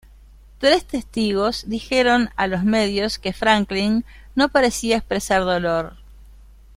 Tres testigos dijeron a los medios que Franklin no parecía expresar dolor.